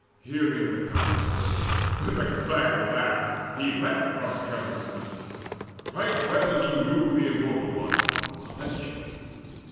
Hearing the Goddess' word, with a glad laugh Leapt he from careless sleep: right well he knew The Immortal One celestial.